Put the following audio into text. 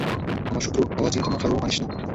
আমার শত্রু হওয়ার চিন্তা মাথায়ও আনিস না।